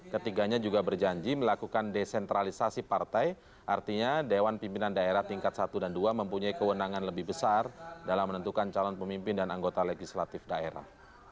ketiganya juga berjanji melakukan desentralisasi partai artinya dewan pimpinan daerah tingkat satu dan dua mempunyai kewenangan lebih besar dalam menentukan calon pemimpin dan anggota legislatif daerah